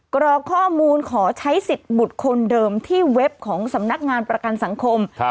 กรอกข้อมูลขอใช้สิทธิ์บุคคลเดิมที่เว็บของสำนักงานประกันสังคม